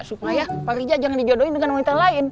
supaya pak riza jangan dijodohin dengan wanita lain